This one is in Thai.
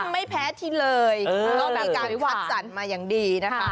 ไม่แพ้ที่เลยมีกรรมวัดศัลมาแบบนั้น